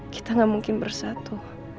kita gak mungkin bersatu